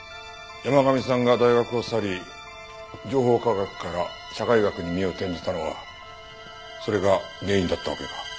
山神さんが大学を去り情報科学から社会学に身を転じたのはそれが原因だったわけか。